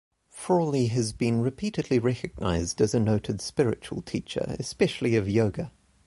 Frawley has been repeatedly recognized as a noted spiritual teacher, especially of Yoga.